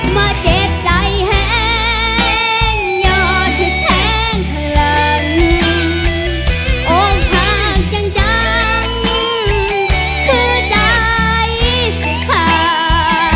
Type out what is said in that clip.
มาเจ็บใจแห้งอย่าทฤแทนขลังโอ้งผักจังจังคือใจสุข่า